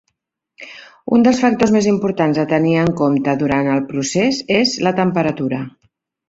Un dels factors més importants a tenir en compte durant el procés és la temperatura.